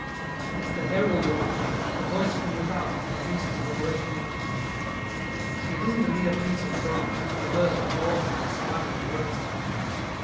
"It is the herald of the Church, the voice from without as the priest is the voice from within. So you see it isn't a mere piece of bronze, a reversed mortar to be swung at a rope's end.